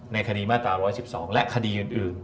คดีมาตรา๑๑๒และคดีอื่น